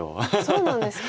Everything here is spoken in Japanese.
そうなんですか？